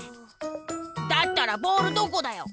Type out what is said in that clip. だったらボールどこだよ？